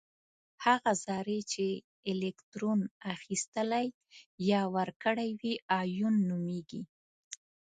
هغه ذرې چې الکترون اخیستلی یا ورکړی وي ایون نومیږي.